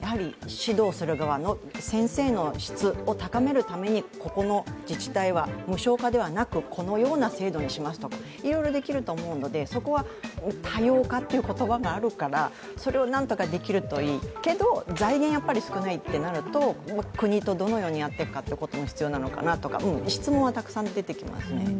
指導する側、先生の質を高めるためにここの自治体は無償化ではなくこのような制度にしますとか、いろいろできると思うので、そこは多様化という言葉があるからそれを何とかできるといいけど財源はやっぱり少ないとなると国とどのようにやっていくのかというのが必要なのかなと質問はたくさん出てきますね。